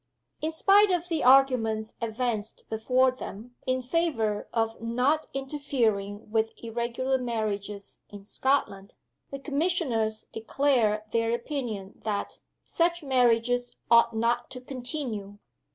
In spite of the arguments advanced before them in favor of not interfering with Irregular Marriages in Scotland, the Commissioners declare their opinion that "Such marriages ought not to continue."